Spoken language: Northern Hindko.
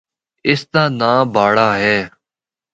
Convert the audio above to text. اس دا ناں باڑہ ہے۔